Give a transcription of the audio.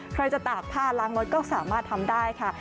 ใครจะตากผ้าล้างรถก็สามารถทำได้ค่ะ